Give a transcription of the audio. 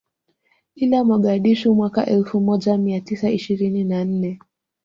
Ila Mogadishu mwaka wa elfu moja mia tisa ishirini na nne